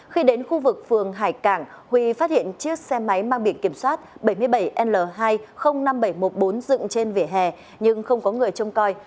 khi đến khu vực phường hải cảng huy phát hiện chiếc xe máy mang biển kiểm soát bảy mươi bảy l hai trăm linh năm nghìn bảy trăm một mươi bốn dựng trên vỉa hè nhưng không có người trông coi